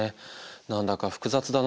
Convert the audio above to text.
何だか複雑だな。